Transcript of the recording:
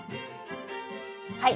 はい。